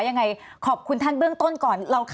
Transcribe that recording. ยังไงขอบคุณท่านเบื้องต้นก่อน